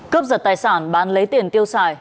cớp giật tài sản bán lấy tiền tiêu xài